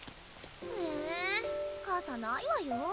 え傘ないわよ？